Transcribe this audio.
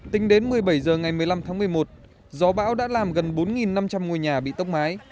tính đến một mươi bảy h ngày một mươi năm tháng một mươi một gió bão đã làm gần bốn năm trăm linh ngôi nhà bị tốc mái